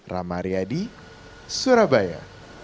ramari adi surabaya